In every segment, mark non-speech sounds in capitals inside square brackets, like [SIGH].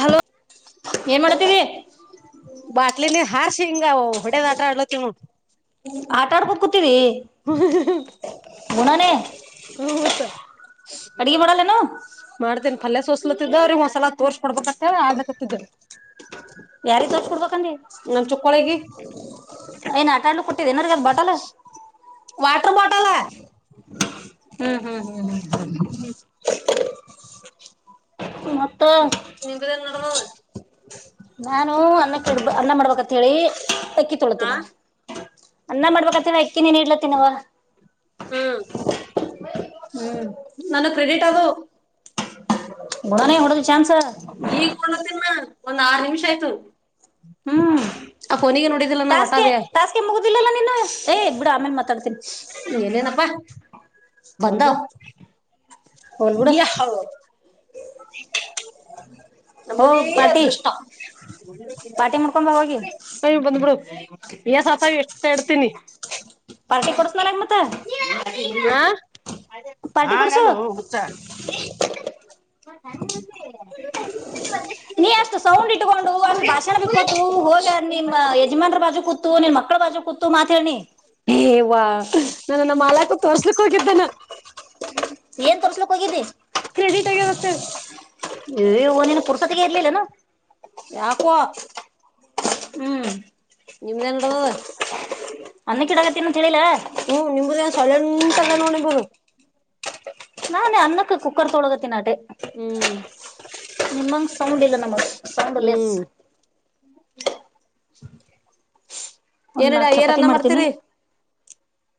Hello ಏನ್ ಮಾಡತಿರಿ. ಬಾಟ್ಲಿ ನೀ ಹಾರ್ಶಿಂಗಾವ್ ಹೊಡೆದ್ ಆಟಾ ಆಡ್ಲ ತಿವ್ ನೋಡು. ಆಟಡ್ಕೊ ಕುತ್ ಹು ಹಃ ಹಃ ಗುಣನೆ ಹ್ಮ ಮತ್ತ್ ಮಾಡಲ್ಲೇನು ಮಾಡ್ತೇನ ಪಲ್ಯ ಸೋಸ್ ತುತ್ಲಾತಿದೆ ಅವ್ರೀಗ್ ಒಂದ್ ಸಲ ತೋರ್ಸ್ಕಡ್ಬೇಕತ್ತೇ ಆಡ್ಲಕತ್ತಿದೆ. ಯಾರಿಗ್ ತೋರ್ಸ ಕೊಡ್ಬೇಕಂದಿ. ಚುಕ್ಕೋಳಿಗಿ ಏನ್ ಆಟಾಡ್ಲ ಕೊಟ್ಟಿದೆ ಏನಾರ ಬಟಲ. ವಾಟರ್ ಬಾಟಲ [UNINTELLIGIBLE] [UNINTELLIGIBLE] ಮತ್ತ ನಿಂಬದೇನ್ ನಡದದ ನಾನು ಅನ್ ಅನ್ನ ಮಾಡ್ಬಕಂತ್ ಹೇಳಿ ಅಕ್ಕಿ ತೊಳಿತಿ ಹಾ ನೋಡ. ಅನ್ನ ಮಾಡ್ಬೇಕಂತೆನೆ ಅಕ್ಕಿ ನೆನೆ ಇಡ್ಲತ್ತಿನವ. ನನ್ನ ಕ್ರೆಡಿಟ್ ಅದು. ಬುಡನೆ ಹೊಡ್ದು ಚಾನ್ಸ್. ಈಗ್ ನೋಡ್ಲತಿನ್ ನಾ ಒಂದ್ ಆರು ನಿಮಿಷ ಆಯ್ತು ಹ್ಮ್ ಆ ಫೋನಿಗೆ ನೋಡಿದಿಲ್ಲ ನಾವ್ ಅಟಾವೆ. ತಿಲಲ್ಲ ನಿನು ಏ ಬಿಡು ಆಮೇಲ್ ಮಾ ತರ್ತಿನ್ ಏನೇನಪ್ಪಾ ಮೂರ್ಬಿಡ. ಗೆ ಹಾ ನಮ್ಮದೇ ಹೋಗ್ ಪಾರ್ಟಿ ಅದೃಷ್ಟ ಪಾರ್ಟಿ ಮಾಡ್ಕೊಂಬ ಹೋಗಿ [UNINTELLIGIBLE] ಬಂದ್ಬಿಡು. ಏ ಸತ ಎಷ್ಟ ಇಡ್ತೀನಿ. ಪಾರ್ಟಿ ಕೊಡ್ಸ ನನಗ್ ಮತ್ತ ಹಾ ಪಾರ್ಟಿ ಕೊಡ್ಸು ಹಂಗಲೋ. [UNINTELLIGIBLE] ನೀ ಅಷ್ಟು ಸೌಂಡ್ ಇಟ್ಕೊಂಡು ಅಷ್ಟು ಭಾಷಣ ಬಿಕ್ಕಕೊತು ಹೋಗಿ ನಿಮ್ಮ ಯಜಮಾನ್ರ ಬಾಜು ಕೂತು ನಿನ್ ಮಕ್ಳು ಬಾಜ್ ಜು ಕುತು ಮಾತೆಳ್ ನಿ. ನಾನುನ್ನ ಮಾಲಾಕ ತೋರ್ಲಿಕ್ ಹೋಗಿದ್ದೇನ ಏನ್ ತರ್ಸ್ಲಿಕ್ ಹೋಗೀದೇ ಕ್ರೆಡಿಟ್ ಆಗ ಬತ್ತ ಪುರ್ಸೊತಿಗೆ ಇರ್ಲಿಲ್ಲ ನ ಯಾಕ್ಕೋ ಹ್ಮ್ ನಿಮ್ದೇನ್ ನಡದ ಅನ್ನಕ್ಕಿಡಕತ್ತಿನ ಅಂತ ಹೇಳಿಲ್ಲ ಹ್ಮ ನಿಮುದ ನ್ ಸಲೆಂಟ್ ಅದ ನೋಡಿಂಬೋದು ನಾನೇ ಅನ್ನಕ್ಕ ಕುಕ್ಕರ್ ತೊಳಗತ್ತಿನಟೆ ಹ್ಮ್ ನಿಮ್ಮಂಗ ಸೌಂಡ್ ಇಲ್ಲ ನಮ್ಮ ಸೌಂಡ್ ಹ್ಮ್ ಒಂದ್ ಏನಡ ನಾಲ್ಕು ಚಪಾತಿ ಏರನ್ನ ಮಾಡ್ತೀನಿ ಮಾಡ್ತೀರಿ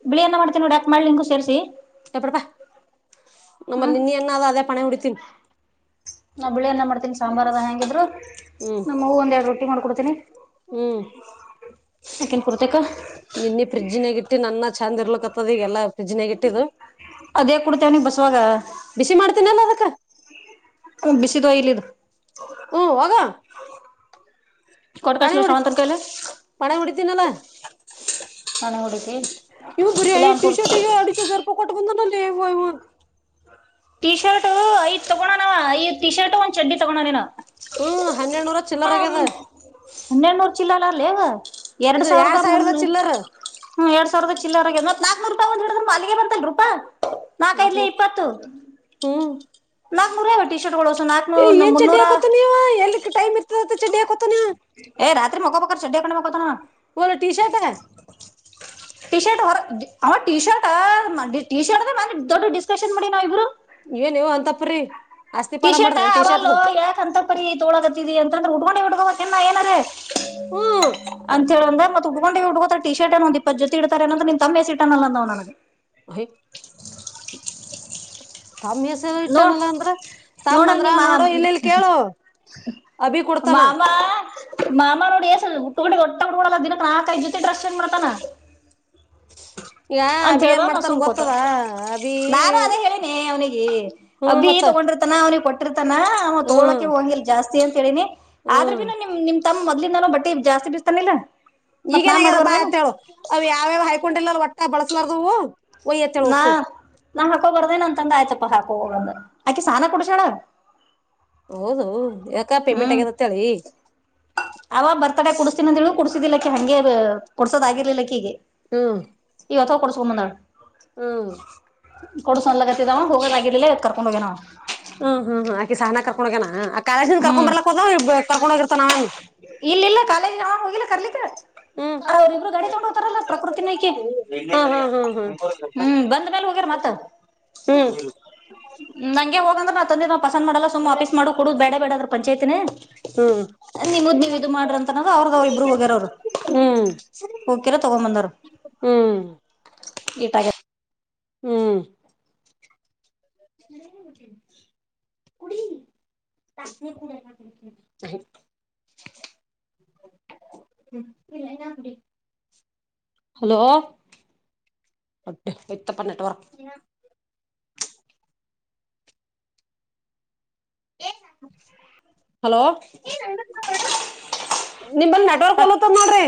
ಬಿಳಿ ಏನ ಮಾಡ್ತನಿ ನೋಡಿ ಯಕಕ್ ಮಾಡಿಲಿ ನಿಂಗು ಸೇರಿಸಿ ಎಪಡಪಾ ನಮ್ಮ ಹ್ಮ್ ನಿನ್ನ ಎ್ಣಾದ ಅದೇ ಪಣ ಉಡಿತೀನ ನಾ ಬಿಳಿೆ ಎನ ಮಾಡ್ತಿನಿ ಸಾಂಬಾರ್ ಅದ ಹ್ಯಾಂಗಿದ್ರು ಹ್ಮ್ ನಮ್ಮ್ಗ ಒಂದ ಎರಡು ರೊಟ್ಟಿ ಮಾಡ್ಕೊಡ್ತೀನಿ ಹ್ಮ್ [UNINTELLIGIBLE] ನಿನ್ನೆ ಫ್ರಿಜ್ ನಗಿಟ್ಟಿ ನನ್ನ ಚಂದ್ ಇರ್ಲಕ್ಕತ್ತದ ಈಗೆಲ್ಲಾ ಫ್ರಿಜ್ ನಗ ಇಟ್ಟಿದು ಅದೇ ಕೊಡ್ತೇವನಿಗೆ ಬಸವಾಗ ಬಿಸಿ ಮಾಡ್ತೀನಲ್ಲ ಅದಕ್ಕ ಕುಬಿಸಿ ದ ಇಲ್ಲಿದು ಹಓ ಆ [UNINTELLIGIBLE] ಕೊಟ್ ಪಣ ಕಸ್ಲ ಮುಡಿ ಶ್ರವಂತನ ಕೈಲೆ ಪಣ ಮುಡತೀಿನಲ್ಲ ನಾನೇ ಹೊಡಿತಿ ಇವು ಬರ ಇಲ್ಲ ಈ ಅವ್ನ್ ಟಿ ಕೊಡ್ ಶರ್ಟಿಗೆ ಅಡಚ ರ್ಪ ಕೊಟ್ಟ ಬಂದನಲ್ಲಿ [UNINTELLIGIBLE] ಟೀ ಶರ್ಟ ಐದ್ ತಗೋಣನವ ಐದ ಟೀ ಶರ್ಟ ಒಂದ್ ಚಡ್ಡಿ ತಗೊೋಣನ ನಾವ ಹ್ಮ್ ಹನ್ನೆರಡ್ನೂರ ಚಿಲ್ಲರಗ್ಯಿದೆ. ಹನ್ನೆರಡ್ ನೂರ್ ಚಿಲ್ಲಲ್ಲ ಎರಡ್ ಸಾವಿರದ ಚಿಲ್ಲರ್ ಎರ ಸಾವಿರ ಚಿಲ್ಲರೆ. ಒಂದ್ ಹಿಡಿದ್ ಅಲ್ಲಿಗೆ ಬಂತಲ್ ರೂಪಾ ನಾಲ್ಕೈದಲಿ ನಾಕ್ನೂರ್ ಇಪ್ಪತ್ತು. ಹ್ಮ್ ನಾಕ್ನೂರು ಟೀ ಶರ್ಟ್ ಸ ಏ ನಾಕ್ನೂರು ಏನ್ ಚಡ್ಡಿ ಮುನ್ನೂರ. ಹಾಕೋತಾನ ಇವ ಟೈಮ್ ಇರ್ತದೆ ಚಡ್ಡಿ ಇವ ಏ ರಾತ್ರಿ ಮಕ್ಕೋಬೇಕಾದ್ರೆ ಚಡ್ಡಿ ಅಕೊಂಡು ಮಕ್ಕೋತನ ಹರ ಟಿ ಶರ್ಟ್ ಆ. ಟಿ ಶರ್ಟ್ ಹೊರ ಅವ ಟಿ ಶರ್ಟ್ ಟಿ ಶರ್ಟ್ ಅದ ಮ ದೊಡ್ಡ ಡಿಸ್ಕಶನ್ ಮಾಡಿ ನಾವ್ ಇಬ್ರು. ಬ್ರೇ. ಟಿ ಶರ್ಟ್ ಅವಲ್ಲ ಯಾಕ ಅಂತ ಪರಿ ತೋಳಗತ್ತಿದಿ ಅಂತ ಅಂದ್ರೆ ಉಡ್ಗೋಿ ಹಡ್ಕೋಬೇಕೆ ಏನಾರ. ಹ್ಮ್ ಅಂತ ಹೇಳಂದ್ರೆ ಮತ್ತತ್ ಉುಡ್ಕೊಂಡೆಗೆ ಹುಡ್ಕ. ಟ ಶರ್ಟ್ ಏ ಒಂದು ಇಪ್ಪ ಜೊ ಇತಾರೆ ನಂದ್ರ ನಿನ್ ತಮ್ಮೆ ಸಿ ಇಟ ಅ ನ್ ನನಗೆ. ಹ. ತಮ್ಮ ಹೆಸರು ನೋಡ್ ಇಟ್ಟನಲ್ಲ ಅಂದ್ರ ತಮ್ಮ ಅಂದ್ರ ನೋಡುೋ ಇಲ್ಲಿ ಇಲ್ಲಿ ಕೇಳು. ಅಭಿ ಕೊಡ್ತಾನ ಮಾಮಾ. ಮಾಮಾ ನೋಡಿ ಎಏಸ ಹುಟ್ಟುಗಡೆ ಒಟ್ಟಗು ಕೂಡಲ್ಲ ದಿನಕ್ಕೆ ನಾಕೈ ಜೊತೆ ಡ್ರಶ್ ಹೆಂಗ್ ಮಾಡತಾನ. ಈಗ ಅಂತ ಅಭಿ ಹೇಳ್ದ ಏನ್ ನ ಮಾಡ್ತಾನ ಸುಮ್ಕೋತ ಗೊತ್ತದ ಅಭಿ ನಾನು ಅದೇ ಹೇಳನೆ ಅವ್ನಿಗೆ ಹ್ಮ್ ಅಬೀ ಮತ್ತ ತಗೊಂಡ. ತನ ಅವ್ರಿಗೆ ಕೊಟ್ಟ. ಹ್ಮ್ ತೋಳೋಕ್ಕೆ ಹಂಗಿಲ್ಲ ಜಾಸ್ತಿ ಅಂತ ಹೇಳಿನಿ ಆದ್ರ ಹ್ಮ್ ಬಿನು ನಿಮ ನಿಮ್ ತಮ್ಮ ಮೊದ್ಲಿಂದನು ಬಟ್ಟ ಜಾಸ್ತಿ ಬ. ತನಿಲ್ಲ. ಈಗೇಏನ ಆಾಗ್ಯದ ಬಾ ಅತಳು ಅವ ಯಾವ್ಯಾವ್ ಹೈಕೊಂಡಿಲ್ಲ ಒಟ್ಟಾ ಬಳಸ್ಲಾರದವು. ಒ ನಾ ಎಥಳಸು. ನಾ ಹಾಕೋಬರ್ದೇನ ಅಂತಂಗ ಆಯ್ತಪ್ಪ ಹಾಕೋ ಹೋಗದ ಆಕಿ ಸಾನ ಕುಡಸಣ. ಹೌದು ಯಾಕ ಪೇಮೆಂಟ್ ಹ್ಮ್ ಆಗ್ಯದ ಅಂತೇಳಿ ಅವ ಬರ್ತಡೆ ಕುಡಸ್ತೀನಂದು ಕುಡ್ಸ್. ಕ್ಕ ಹಂಗೆ ಕೊಡ್ಸೋದಾಗಿರ್ಲಿಲ್ಲಕ್ಕೀಗೆ. ಹಾ. ಯ ಕೊಡಸುಮ್ಮ ನಣ. ಹ್ಮ. ಅನ್ಲಕತ್ತಿದವ ಹೋಗೋದಾಗಿರ್ಲಿಲ್ಲ ಇವತ್ ಕರ್ಕೊಂಡ್ ಹೋಗ್ಯನ ಅವ ಹ್ಮ್ ಹ್ಮ್ ಹ್ಮ್ ಆಕಿ ಸಹನ ಕಕಣಕನಾ. ಹ ಆ ಕಾಸಿಂದ ಕರ್ಕೊಂಡ್ ಬಾರ್ ಹದ ಕಾರಡೋಗಿತ ನಾವಂಗ್. ಇಲ್ಲ ಇಲ್ಲ ಕಾಲೇಜ್ ನಾ ಹೋಗಿಲ್ಲ ಕರ್ಲಿಕ್ಕೆ. ಅವ್ರಿಬ್ರು ಗಡಿ ತಗೊಂಡ ಹೋಗತಾರಲ್ಲ ಪ್ರಕೃತಿನೈಕ ಅವೇನು ಹ್ಮ್ ಹ್ಮ್ ಬಂದ ಮೇ. ವ ಮತ. ಹ್ಮ್. ನಂಗೆ ಹೋಗ ಅಂದ್ರೆ ನ ತಂದೆ ನ ಪಸಂದ ಮಾಡಲ್ಲ ಸು ಆಫೀಸ್ ಮಾಡಕ್ ಕುಡುದು ಬೇ ಬೇಡದ್ರ ಪಂಚಾಯತಿನ. ಹ್ಮ್. ಮಾಡ್ರ ಅಂತ ಅವ್ರದವರು ಇಬ್ರು ಹೋಗ್ಯಾರ ಅವರು ಹೋಗಕಿರ ತಗೊಂಡ್ ಬಂದಾರ. ಹ್ಮ್ ಹ್ಮ್ ಈಟಾಗ. ಹ್ಮ್. ಕುಡ. ಹ. ಹ್ಮ್ ಇಲ್ಲ ನಾ ಅಡಿ. ಹಲೋಟ್ಟ ಇತ್ತ ಪನ್ನಟ್ ವರ. ಹಲೋ. ನಿಂಬಲ್ ನೆಟ್ವರ್ಕ್ ಓಲತ್ತದ್ ನೋಡ್ರಿ.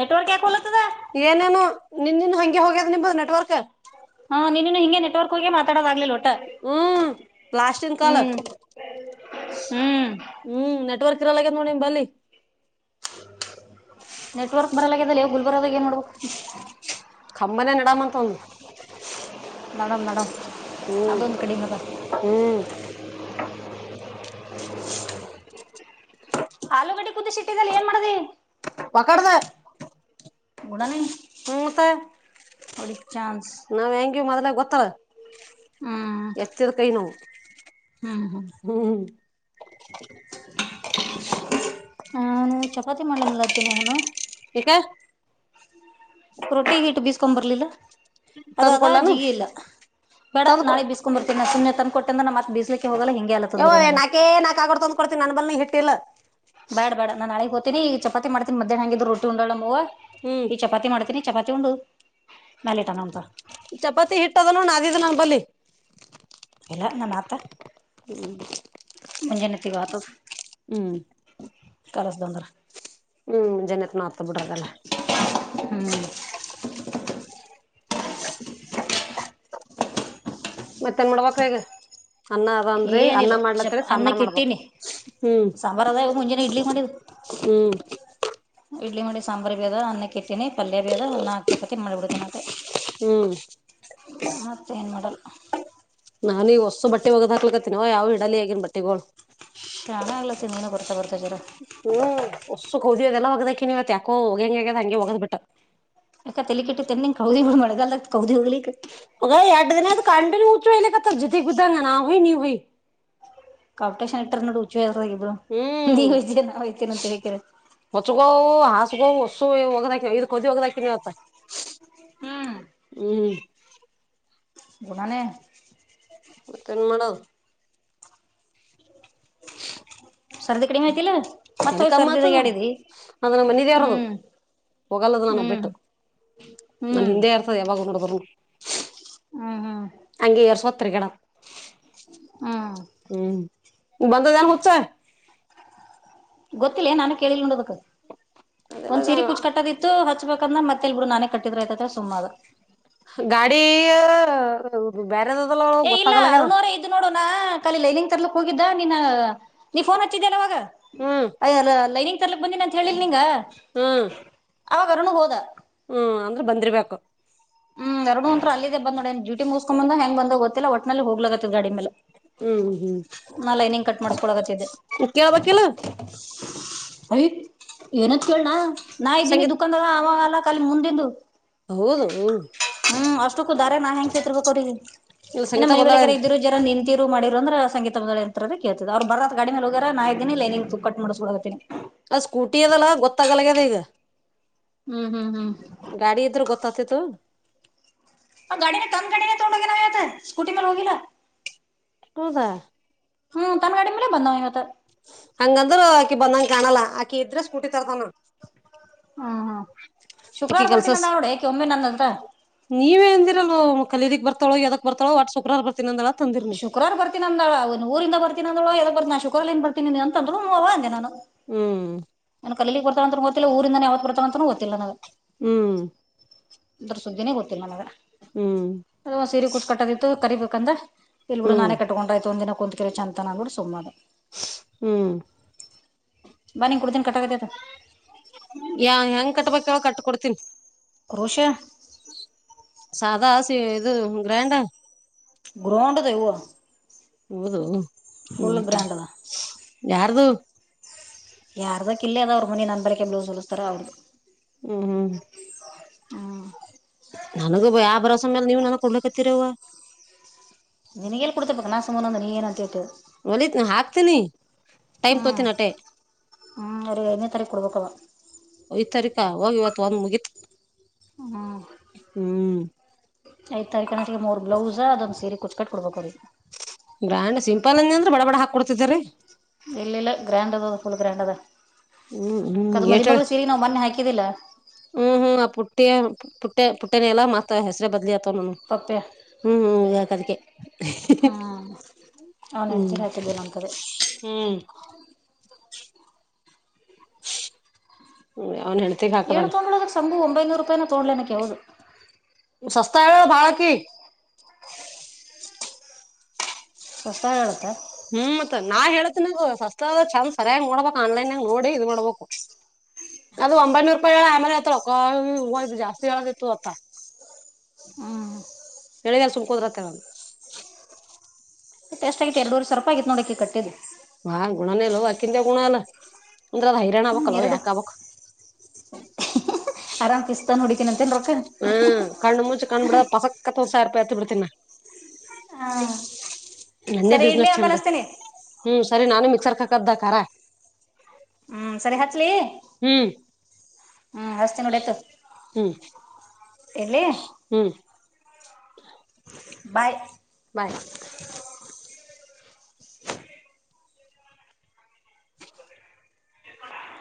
ನೆಟ್ರ್ ಕೋಲತ. ಏನೇನು ನಿನ್ನನ್ ಹಗೆ ಹೋಗ್ಯದ ನಿಂಬದ್ ನೆಟ್ವರ್ಕ್. ಹಾ ನೀನು ಹಿಗೆ ನೆಟ್ವರ್ ಹಿ ಮಾತಡ ಆಗ್ಲಿಲ್ಲೋ. ಹ್ಮ್ ಪ್ಲಾಸ್ಟನ್ ಕಾಲರ್ ಹ್ಮ್ ಹ್ಮ್ ನೆಟ್ವರ್ಕ್. ಒಳಗ ನೋಡಿ ನಿಂಬಲ್ಲಿ. ನೆಟ್ವರ್ಕ್ ಬರಲದಲ್ಲ ಗುಲ್ಬರದಾಗ ಏನ್ ನೋಡ್ಬೇಕ ಹಂಗ ನಡಮ ನಡಮ ಅದಂದು ಕಡಿ ಮಾಾ ಹ್ಮ್ ಆಲೂಗಡೆ ಕುದ ಸಿಟ್ಟಿದ್ದಲ್ಲಿ ಏನ್ ಮಾಡ್ದಿ ಒಕ್ಕಡದ ಗುಡ ನೀ ಹ್ಮ್ ಮತ್ತೆ ಚಾನ್ಸ್ ನಾವ್ ಹೆಂಗಗೆ ಮೊದ್ಲಾಗ ಗೊತ್ತಾರ ಹ್ಮ್ ಎಚ್ಚದ ಕೈ ನೋ ಹ್ಮ್ ಹ್ಮ್ ಹ ನಾನು ಚಪಾತಿ ಮಾಡ್ಲನ್ಲ್ಲಾತೀನಿ ಅವಾನು ಈಕ ರೊಟ್ಟಿ ಹಟ್ಟು ಬೀಸ್ಕೊ್ ಬರ್ಲಿಲ್ಲ ಅದು ತಂದ್ ಅದ ಕೊಡ್ಲಾನ ಜಿಗಿ ಇಲ್ಲ ಬೇಡ ತಂದ್ ಕೊ ನಾಳೆ ಬಿಸಸ್ಕೊಂಡ್ ಬರ್ತೀನ ನ ಸುಮ್ನೆ ತಂದ ಕೊಟ್ಟ ಅಂದ್ರೆ ನ ಮತ್ತ ಬೀ್ಲಿಕ್ಕೆ ಯ ನಾಕೇ ನಾಕ್ ಆಗಡ್ತ ಅಂದ್ ಕೊಡ್ತೀಿ ನನ್ ಬಲ್ ಹಿಟ್ಟಿಲ್ಲ ಬೇಡ ಬೇಡ ನಾ ನಾಳಗ್ ಹ್ತಿನಿ ಈ ಚಪಾತಿ ಮಾಡ್ತೀನ ಮ್ಯಾ್ ಹಿದ್ರು ರಟಿೋಳ್ವ ಹ್ಮ್ ಈಗ ಚಪಾತಿ ಮಾಡ್ತನಿ ಚಪಾಚ ಹುದು ಮಲೆಟ ನ ಹದ ಚಪಾತಿ ಹಿಟ್ಟದಲ್ಲಣ ಅಿದ ನನ್ ಬಲಿಿ ಎಲ್ಲ ನಮ್ಮ ಆತ ಹ್ಮ್ ಮಂಜೆ ನತ್ತಗತ ಕಲಸ ಬಂಗಾರ ಹ್ಮ್ ಜನತ್ನತ ಬಿಡದಲ್ಲ ಹ್ಮ್ ಹ ಮತ್ತೆ ಮೂಳ ಬೇಗ ಅನ್ನ ಅದ ಅಂದ್ರಿ ಅನ್ನ ಏನಿಲ್ಲ ಚಪ್ ಮಾಡ್ಲತ್ತರಿ ಸಾಂಬಾರ್ ಅನ್ನಕ್ ಮಾಡ್ಬ ಇಟ್ಟೀನಿ ಹ್ಮ್ ಸಾಂಬಾರ್ ಅದ ಇವಾಗ ಮುಂಜಾನೆ ಇಡ್ಲಿ ಮಾಡಿದ್ ಹ್ಮ್ ಇಡ್ಲಿ ಮಾಡಿ ಸಾಂಬಾರ ಬೇದ ಅನ್ನ ಕಿಟ್ಟಿನಿ ಪಲ್ಯ ಬೇದ ಅನ್ನಾಕ್ ಚಪಾ ಮಾಡಿಬಿಡ್ೀನಿ ಅಟೆ ಹ್ಮ್ ಮತ್ತೆ ಏನ್ ಮಾಡಲ್ಲ ನಾನು ಈಗ ವೊಸು ಬಟ್ಟೆ ಒಗದ ಹಾಕ್ಲಕತ್ತತಿನವ ಯಾವ ಹಿಡಲ್ಲಿ ಹಗನ್ ಬಟ್ಟೆಗಳು ಚಾಣ ಎಲ್ಲ ತಿ ನೀನು ಬಿಡು ಹ್ಮ್ ಹೊಸ್ಸು ಕೌದೀ ಹೋದದೆಲ್ಲಾ ಹೋಗದಕ ನೀವತ್ ಯಾಕೋ ಹೋಗ ಹಂಗ ಆಗ್ಯದ ಹಂಗೆ ಹೋಗದ್ ಬಿಟ್ಟ ಅಕ ತೆಲಿ ಕೆಟ್ಟತ್ತ ಕೌ್ದಿ ಮಳಗಾಲತ್ ಕೌದಿ ಹೋಗ್ಲಿಕ್ಕ ಕಂಡ ನ ಊಚು ವಲ್ಲ ಕತ ಜತೆ ಕು್ಧ ನಾ ನೀವುಿ ಕಾಂಪಿಟೇಶನ್ ಇಟರ್ ನೋಡು ಹುಚ ಅಲ್ ಇಬ್ರು ಹ್ಮ್ ನೀವ್್ ನ ಹ್ತೀರ ಅಂತ ಹಿಕರ ಸುಗ ಹೊಸು ಒೋಗದಾಕ ಇದ್ ಕದಿ ಹೋಗದಾಕನ್ವತ್ತ ಹ್ಮ್ ಹ್ಮ್ ಗುಧಾನೆ ಮತ ಎನ್ ಮಾಡದು [UNINTELLIGIBLE] ಸರ್ದಿ ಕಡೆ ಮಾತಿಲ್ಲ ಎಳಿ ಕಮ್ ಆತುದ್ ಅದು ನಮ ಮನಿ ದೇವರದು ಹ್ಮ್ ಹೋಗಲ್ಲದು ನಾನು ಹ್ಮ್ ಬ್ಬಿಟ್ಟು ನನ್ ಹ್ಮ್ ಹಿಂದೆ ಇರ್ತದೆ ಯಾವಾಗ ನೋಡ ಬ ಹ್ಮ್ ಹ್ಮ್ ಅಂಗೆ ಏರಸಕೊತ ತಿರಿಗಾಡದು ಹ್ಮ್ ಹ್ಮ್ ಬಂದುದೆನ್ ಹುಚ್ಚಾ ಗೊತ್ತಿಲ್ಲ ನಾನು ಕೇಳಿಲ್ಲ ನೋಡೋದಕ್ ಒಂದ್ ಸೀರೆ ಕುೂಚ್ ಕಟ್ಟೋದಿತ್ತು ಹತ್ತು ಬಂದ್ರ ಮತ್ತೆಲ್ ಬಿರು ನಾನೇ ಕಟ್ಟಿದ್ರ ಆಯತತ್ ಸುಮ್ಮದ ಕೆ ಬ್ಯರೆದ ತಲ್ಲ ಗೊತ್ತಾಗಲ್ಲಾಗ ಕಲ ಲೈನಿಂಗ್ ತರ್ಲಿಕ್ ಹೋಗಿದ್ದ ನಿನ್ನ ನೀ ಫೋನ್ ಹಚ್ಚಿದ್ದನ ಅವಾಗ ಹ್ಮ್ ಅಯ ಅಲ್ಲ ಲೈನಿಂಗ ತರ್ಕ್ ಬಂದಿ ಅಂತ ಹೇಳಿಲ್ ನಿಂಗ ಹ್ಮ್ ಅವಾಗರುಣ ಹೋದ ಹ್ಮ್ ಅಂದ್ರೆ ಬಂದಿರ್ಬೇಕು ಹ್ಮ್ ಎರಡು ಅಂತುರ್ ಅಲ್ಲದೆ ಬ್ೋ ಡೂಟಿ ಮುಗಸ್ಕೊ ಬಂದ ಹ ಹೆಂಗ ಬಂದ ಗೊತ್ತಿಲ್ಲ ಒಟ್ನಲ್ಲಿ ಹೋಗ್ಲತ್ತದ ಗಾಡಿ ಮೇಲೆ ಹ್ಮ್ ಹ್ಮ್ ನಾ ಲೈನಿಂಗ್ ಕಟ್ ಮಾಡಸ್ಕೊಳಗತ್ತಿದ್ದೆ ಕ್ಕೆಳ ಬೇಕ ಎಲ್ಲಾ ಅಯ ಏನಂತ ಕೇಳಲಿ ನ ನಾ ಇದೀನಿ ಸಂಗೀತ ದುಕಾನದಲ್ಲ ಆಮಲ್ಲ ಕಲಿ ಮುಂದಿಂದು ಹೌದು ಹ್ಮ್ ಅಷ್ಟಕ್ಕೂ ದಾರೆ ನಾ ಹೆಂಗ ಕೇಳತಿರ್ಬೇಕ ಅವ ಇಲ್ಲ ಇನ್ನ ಸಂಗೀತ ಮನ ಬಳೇಕರೆ ಬಂದಾಳೇನ್ ಇದರು ಜರ ನಿ ಶೀರು ಮಾಡಿರ ಅಂದ್ರ ಸಂಗೀತಂತ ಕೇತದ್ರು ಬರದ ಗಾ ಮೇ ಹೋಗ್ಯ ನಾ ಇದೀನಿ ಇು ಕಟ್ಟ ಮಾಡ್ಕೊ ಹತಿನಿ ಅ ಸ್ಕೂಟಿ ಅದಲ್ಲ ಗೊತ್ತಾಗಲ್ಗದ ಈಗ ಹ್ಮ್ ಹ್ಮ್ ಹ್ಮ್ ತೋತೆತು ಹ ಗಾಡಿನ ಕಂದ್ ಗಾಡಿನ ತೊಗೊಂಡಗನಾವ್ತ ಸ್ಕೂಟಿ ಮೇಲೆ ಹೋಗಿಲ್ಲ ಹೌದ ಹ್ಮ್ ತನ್ನಗಾಡಿ ಮೇಲೆ ಬಂದಾವ ಇವತ್ತು ಹಂಗಂದ್ರ ಆಕಿ ಬಂದಂಗ ಕಾಣಲ್ಲ ಆಕಿ ಇದ್ರೆ ಸ್ಕಟಿತರ್ತಾನ ಹ್ಮ ಹಾ ಅಕ್ಕಿ ಕೆಲ್ಸ ನೀವಂದಿರಲ್ ಕಲೀಗ್ ಬರ್ತಳ ಯಾವದ ಬರ್ಳ ಒಟ್ು್ರಾರ್ರ್ತನ ಅ ಹೇಳಳ ಶುಕ್ರಾರ ಬರ್ತೀಿ ಅಂದಳ ಅವ ಊರಿಂದ ಬರ್ತಿನಿ ಅಂದಳದ ಬರ್ತ ನಾ ಶುಕ್ರಾರ ಏ ಬರ್ತಿನಿ ಅಂದರು ಅವವ ಅಂದ ನಾನು ಹ್ಮ್ ನಾನ ಕಲ ಕೊಡ್ತಾವಂತೂ ಓದತ್ತಿಲ್ಲ ಊರಿಂದಾನ ಯಾವತ್ ಕೊಡ್ತಾವಂತನ ಓದಲ್ಲ ನಾವ ಹ್ಮ್ ಅದೂರು ಸುದ್ದಿನೇ ಗೊತ್ತಿಲ್ಲ ನನಗ ಹ್ಮ್ ಅದ ಸೀರೆ ಕುೂಸಕಟ್ಟದಿತ್ತು ಕರಿಬೇಕಂದ್ರ ಇಲ್ ಬಿೂಡು ಹ್ಮ್ ನಾನೇ ಕಕೊಂಡ್ತ ಒಂದಿನ ಕುತ್ ಜೆಂತನ ಅಂತ ನನ್ ಬಿಡ ಸುಮ್ಮ ಹ್ಮ್ ಬನೀ ಕೊಡ್ತೀನಿ ಕಟ್ಟಾಕತೈತ ಯ ಹೆಂಗ ಕಟ್ಬೇಕ ಕಟ್ ಕೊೊಡ್ತೀನೀ [UNINTELLIGIBLE] ಸದಾ [UNINTELLIGIBLE] ಇದು ಗ್ರ್ಯಾಂಡಾ ಗ್ರೌಂಡದೆ ಹೌದು ಹ್ಮ್ ಅದ [INAUDIBLE] ಯಾರ್ದು ಯಾರದಕ್ಕ ಇಲ್ಲ ಅದ ಅವ್ರ ಮನಿ ನಂದ ಬಳಿಕೆ ಬ್ಲೌಸ್ ಹೊಲಿಸ್ತಾರ ಅವ್ರದು ಹ್ಮ್ ಹ್ಮ್ ನನಗ ಯಾವ ಭರವಸೆ ಮ್ಯಾಲ ನೀವು ನನಗ್ ಕೊಡ್ಲಕತ್ತೀರವ ನಿನಗೆ ಎಲ್ ಕುಡ್ತಬೇಕ ನಾ ಸಮ್ ಅಂದ ನೀನಾಂತಿಯ [UNINTELLIGIBLE] ಹಾಕ್ತೀನಿ ಟೈಮ್ ಹ್ಮ್ ತೋಗತೀನಿ ಅಟೆ ಹ್ಮ್ ಅವ್ರಿಗೆ ಐದನೇ ತಾರೀಕು ಕೊಡ್ಬೇಕವ [UNINTELLIGIBLE] [UNINTELLIGIBLE] ಹ್ಮ್ ಹ್ಮ್ ಐದ್ ತಾರೀಕ [INAUDIBLE] ಮೂರ್ ಬ್ಲೌಸ್ ಅದೊಂದು ಸೀರೆ ಕುಚ್ಕಟ್ಟಿ ಕೊಡ್ಬೇಕು ಅವ್ರಿಗೆ ಬ್ರ್ಯಾಂಡ್ ಸಿಂಪಲ್ ಅಂದ ಅಂದ್ರೆ ಬಡ ಬಡ ಹಾಕ ಕೊಡ್ತಿದೆರೀ ಇಲ್ಲ ಇಲ್ಲ ಗ್ರ್ಯಾಂಡ್ ಅದ ಫುಲ್ ಗ್ರ್ಯಾಂಡ್ ಅದ ಹ್ಮ್ [INAUDIBLE] ಹ್ಮ್ ಕದು ಎಟ್ ಮಧು ಹೇಳ್ ಮಗಳು ಸೀರೆ ನಾವು ಮೊನ್ನೆ ಹಾಕಿದ್ದಿಲ್ಲ ಹ್ಮ್ ಹ್ಮ್ ಆ ಪುಟ್ಟಿಯ ಪುಟ್ಟೆ ಪುಟ್ಟನ ಎಲ್ಲಾ ಮತ್ತ ಹೆಸ್ರ ಬದ್ಲಿ [UNINTELLIGIBLE] ಪಪ್ಪೆ ಹ್ಮ್ ಹ್ಮ್ ಹ್ಮ್ ಅವ್ನ ಹೆಂಡ್ತಿರ್ ಹಾಕಿದ್ದಿಲ್ಲ ಅಂತದೆ [UNINTELLIGIBLE] ಹ್ಮ್ ಹ್ಮ್ [UNINTELLIGIBLE] [UNINTELLIGIBLE] ಸಂಭು ಒಂಬೈನೂರು ರೂಪಾಯಿನ ತಗೊಂಡಲೇ ನಕ್ಕಿ ಯಾವ್ದದು [UNINTELLIGIBLE] [UNINTELLIGIBLE] ಹ್ಮ್ ಮತ್ ನಾ ಹೇಳೇಳ್ತೇನದು ಸಸ್ತದ ಚಂದ್ ಸರಿಯಾಗಿ ನೋಡ್ಬೇಕ್ ಆನ್ಲೈನ್ಗ ನೋಡಿ ಇದ್ ಮಾಡ್ಬೇಕು ಅದು ಒಂಬೈನೂರು ರೂಪಾಯಿ ಹೇಳ ಆಮೇಲೆ ಹೇಳ್ತಾಳ ಅವ್ವ ಇದು ಜಾಸ್ತಿ ಹೇಳದಿತ್ತು ಅತ್ತ ಹ್ಮ್ [UNINTELLIGIBLE] ಎಷ್ಟ ಅಗ್ಯತೆ ಎರಡೂವರೆ ಸಾವಿರ ಆಗಿದೆ ನೋಡ ಅಕಿ ಕಟ್ಟಿದ್ದದು ಹಾ ಗುಣನೇ ಅಲ್ವ ಅಕಿಂದ ಗುಣ ಅಲ್ಲ ಅಂದ್ರ ಅದ ಹೈರಾಣ ಹ್ಮ್ ಆಬಕ್ಲ್ವ ಎರಡು ಯಾಕ್ ಆಗ್ಬೇಕು ಆರಾಮ್ [UNINTELLIGIBLE] ಹ್ಮ್ ಕಣ್ಣು ಮುಚು ಕಣ್ಣು ಬಿಡ ಪಸಕ್ಕತ್ತ ಒಂದು ಸಾವಿರ ಎತ್ತ್ ಬಿಡ್ತೀನ ಹಾ ನನ್ನೇ ಸರಿ ಇಡ್ಲಿ ಬಿಸ್ನೆಸ್ ಆಮೇಲೆ ಚಂದ ಹಚ್ತೀನಿ ಹ್ಮ್ ಸರಿ ನಾನು ಮಿಕ್ಸರ್ [UNINTELLIGIBLE] ಹ್ಮ್ ಸರಿ ಹಾಚ್ಲಿ ಹ್ಮ್ [UNINTELLIGIBLE] ನೋಡಿತು ಹ್ಮ್ [INAUDIBLE] ಎಲ್ಲಿ ಹ್ಮ್ ಬಾಯ್ ಬಾಯ್